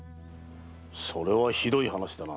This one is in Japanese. それはひどい話だな。